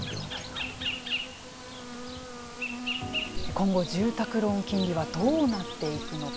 今後、住宅ローン金利はどうなっていくのか。